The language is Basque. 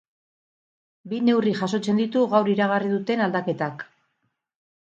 Bi neurri jasotzen ditu gaur iragarri duten aldaketak.